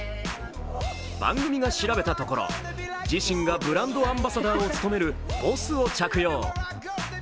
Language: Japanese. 番組が調べたところ、自身がブランドアンバサダーを務めるＢＯＳＳを着用。